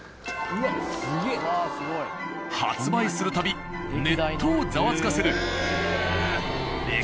発売する度ネットをざわつかせる。